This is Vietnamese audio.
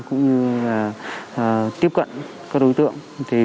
cũng như là tiếp cận các đối tượng